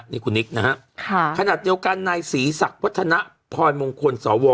นี่คุณนิกนะฮะขนาดเดียวกันนายศรีศักดิ์วัฒนะพรมงคลสว